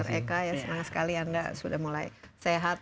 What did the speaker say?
dan juga dr eka semangat sekali anda sudah mulai sehat